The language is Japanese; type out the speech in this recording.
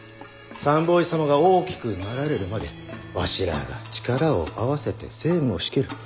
三法師様が大きくなられるまでわしらあが力を合わせて政務を仕切る。